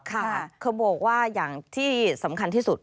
เขาบอกว่าอย่างที่สำคัญที่สุด